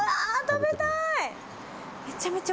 食べたい。